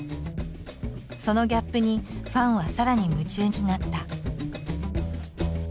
そのギャップにファンはさらに夢中になった。